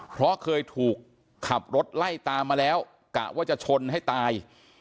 เพราะเคยถูกขับรถไล่ตามมาแล้วกะว่าจะชนให้ตาย